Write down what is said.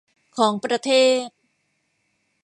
ของประเทศ